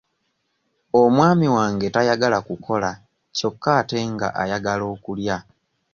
Omwami wange tayagala kukola kyokka ate nga ayagala okulya.